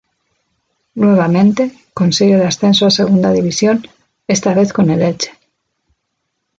Nuevamente, consigue el ascenso a Segunda División, esta vez con el Elche.